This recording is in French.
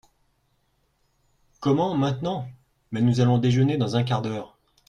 Comment, maintenant ?… mais nous allons déjeuner dans un quart d’heure.